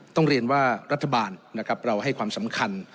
ต้องเรียนว่ารัฐบาลนะครับเราให้ความสำคัญ